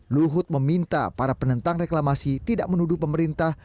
luhut meminta para penentang reklamasi tidak menuduh pemerintah